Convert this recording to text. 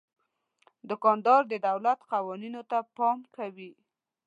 دوکاندار د دولت قوانینو ته پام کوي.